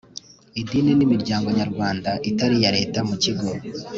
Idini n imiryango nyarwanda itari iya leta mu kigo